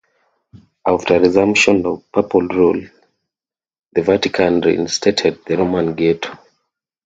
After resumption of Papal rule, the Vatican reinstated the Roman ghetto.